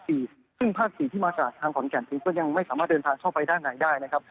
ซึ่งภาค๔ที่มาจากทางขอนแก่นเองก็ยังไม่สามารถเดินทางเข้าไปด้านในได้นะครับ